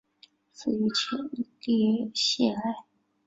死于前列腺癌。